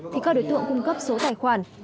thì các đối tượng cung cấp số tài khoản